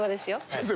先生